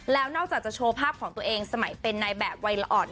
แล้วนอกจากจะโชว์ภาพของตัวเองสมัยเป็นนายแบบวัยละอ่อน